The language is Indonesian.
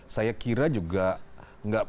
saya kira juga nggak